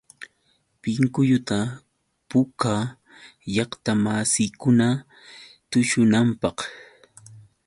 Pinkulluta puukaa llaqtamasiikuna tushunanpaq.